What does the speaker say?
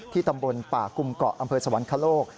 ตำบลป่ากุมเกาะอำเภอสวรรคโลก